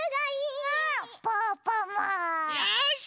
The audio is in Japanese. よし！